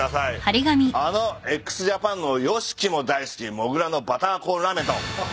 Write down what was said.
「あのＸＪＡＰＡＮのＹＯＳＨＩＫＩも大好きもぐらのバターコーンラーメン」と。